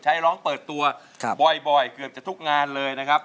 ใช้ร้องเปิดตัวบ่อยเกือบจะทุกงานเลย